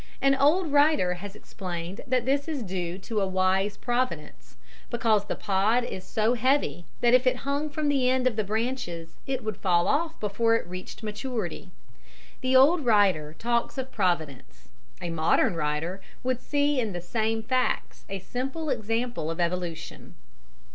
An old writer has explained that this is due to a wise providence, because the pod is so heavy that if it hung from the end of the branches it would fall off before it reached maturity. The old writer talks of providence; a modern writer would see in the same facts a simple example of evolution.